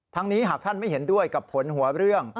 นี้หากท่านไม่เห็นด้วยกับผลหัวเรื่อง